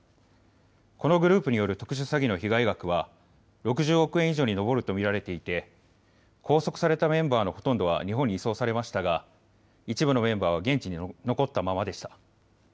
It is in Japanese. このグループによる特殊詐欺の被害額は６０億円以上に上ると見られていて、拘束されたメンバーのほとんどは日本に移送されましたが一部のメンバーは現地に残ったままでした。